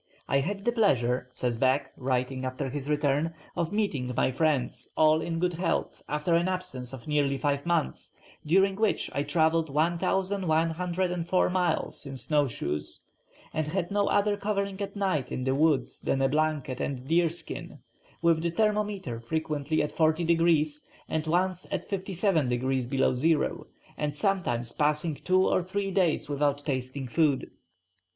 "I had the pleasure," says Back, writing after his return, "of meeting my friends all in good health, after an absence of nearly five months, during which I travelled 1104 miles in snow shoes, and had no other covering at night in the woods than a blanket and deerskin, with the thermometer frequently at 40 degrees, and once at 57 degrees below zero, and sometimes passing two or three days without tasting food."